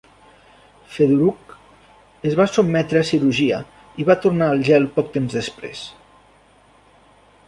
Fedoruk es va sotmetre a cirurgia i va tornar al gel poc temps després.